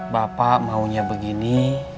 bapak maunya begini